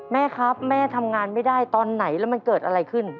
แม่ครับแม่ทำงานไม่ได้ตอนไหนแล้วมันเกิดอะไรขึ้น